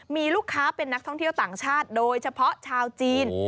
มีลูกค้าเป็นนักท่องเที่ยวต่างชาติโดยเฉพาะชาวจีน